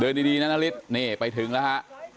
ดีนะนาริสนี่ไปถึงแล้วฮะ